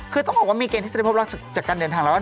คือต้องบอกว่ามีเกณฑ์ที่จะได้พบเราจากการเดินทางแล้ว